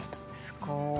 すごい。